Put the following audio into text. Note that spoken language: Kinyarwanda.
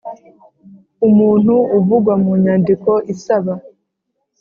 Umuntu uvugwa mu nyandiko isaba